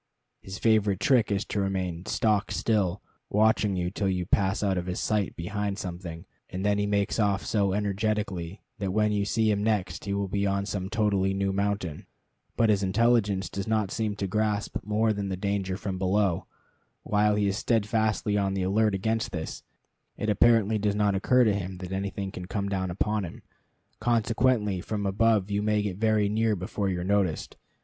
His favorite trick is to remain stock still, watching you till you pass out of his sight behind something, and then he makes off so energetically that when you see him next he will be on some totally new mountain. But his intelligence does not seem to grasp more than the danger from below. While he is steadfastly on the alert against this, it apparently does not occur to him that anything can come down upon him. Consequently from above you may get very near before you are noticed.